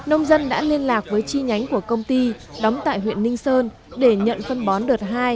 nông dân đã liên lạc với chi nhánh của công ty đóng tại huyện ninh sơn để nhận phân bón đợt hai